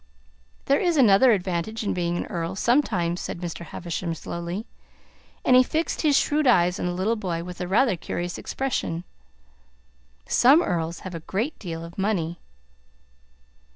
"There is another advantage in being an earl, sometimes," said Mr. Havisham slowly, and he fixed his shrewd eyes on the little boy with a rather curious expression. "Some earls have a great deal of money."